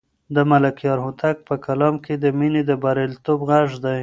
د ملکیار هوتک په کلام کې د مینې د بریالیتوب غږ دی.